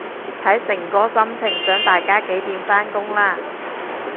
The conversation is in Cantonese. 睇誠哥心情想大家幾點返工啦